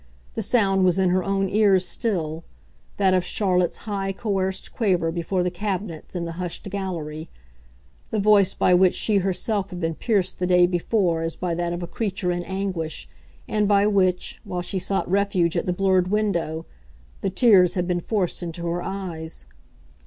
The sound was in her own ears still that of Charlotte's high coerced quaver before the cabinets in the hushed gallery; the voice by which she herself had been pierced the day before as by that of a creature in anguish and by which, while she sought refuge at the blurred window, the tears had been forced into her eyes.